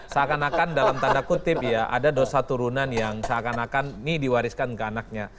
seakan akan dalam tanda kutip ya ada dosa turunan yang seakan akan ini diwariskan ke anaknya